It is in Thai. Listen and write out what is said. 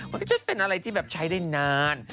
มันก็จะเป็นอะไรที่แบบใช้ได้นาน